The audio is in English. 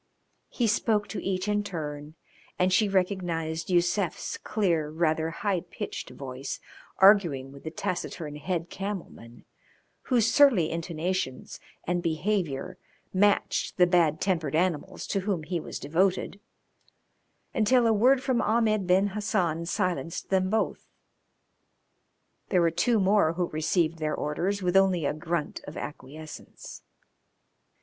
He spoke to each in turn, and she recognised Yusef's clear, rather high pitched voice arguing with the taciturn head camelman, whose surly intonations and behaviour matched the bad tempered animals to whom he was devoted, until a word from Ahmed Ben Hassan silenced them both. There were two more who received their orders with only a grunt of acquiescence.